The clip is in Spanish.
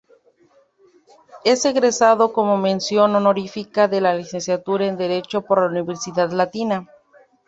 Es egresado con mención honorífica de la Licenciatura en Derecho por la Universidad Latina.